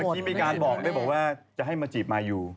เมื่อกี้มีการบอกอย่าจะให้มาจีบมายู